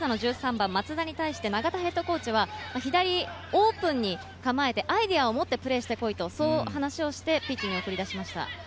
番・松田に対して永田ヘッドコーチは左オープンに構えてアイデアを持ってプレーしてこいと話をしてピッチに送り出しました。